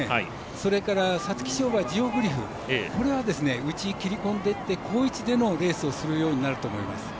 それから皐月賞馬ジオグリフこれは内へ切り込んでいって好位置でのレースをするようになると思います。